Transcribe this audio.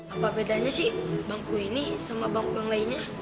apa bedanya sih bangku ini sama bangku bang lainnya